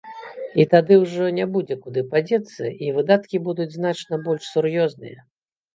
І тады ўжо не будзе куды падзецца, і выдаткі будуць значна больш сур'ёзныя.